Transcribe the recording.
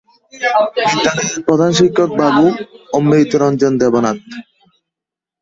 বিদ্যালয়ের প্রধান শিক্ষক বাবু অমৃত রঞ্জন দেবনাথ।